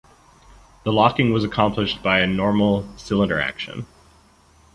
The locking was accomplished by a normal cylinder action.